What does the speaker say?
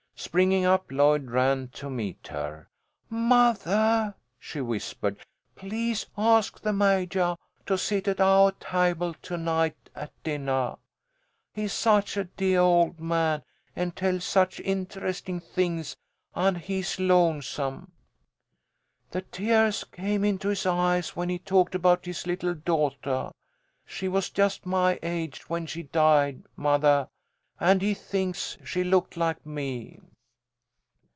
Springing up, Lloyd ran to meet her. "Mothah," she whispered, "please ask the Majah to sit at ou' table to night at dinnah. He's such a deah old man, and tells such interestin' things, and he's lonesome. The tears came into his eyes when he talked about his little daughtah. She was just my age when she died, mothah, and he thinks she looked like me."